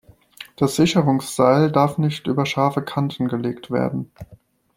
Das Sicherungsseil darf nicht über scharfe Kanten gelegt werden.